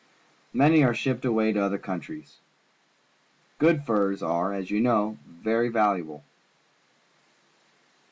Many are shipped away to other countries. Good furs are, as you know, very valuable.